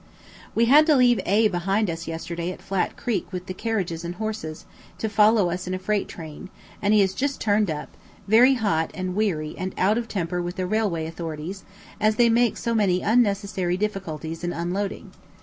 We had to leave A behind us yesterday at Flat Creek with the carriages and horses, to follow us in a freight train, and he has just turned up, very hot and weary and out of temper with the railway authorities, as they make so many unnecessary difficulties in unloading.